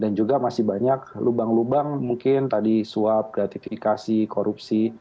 dan juga masih banyak lubang lubang mungkin tadi suap gratifikasi korupsi